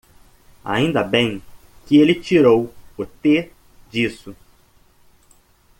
Ainda bem que ele tirou o "T" disso.